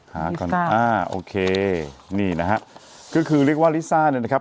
หากันอ่าโอเคนี่นะฮะก็คือเรียกว่าลิซ่าเนี่ยนะครับ